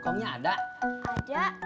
kitabnya pracase tau primarily miha